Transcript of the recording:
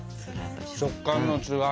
食感の違い。